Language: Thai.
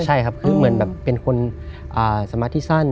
ใช่ครับคือเหมือนแบบเป็นคนสมาธิสั้น